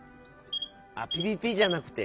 あっ「ピピピ」じゃなくて。